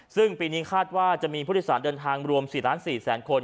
ซึ่งปีนี้คาดว่าจะมีผู้โดยสารเดินทางรวม๔๔๐๐๐คน